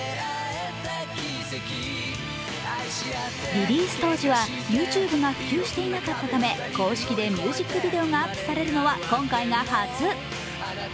リリース当時はＹｏｕＴｕｂｅが普及していなかったため公式でミュージックビデオがアップされるのは今回が初。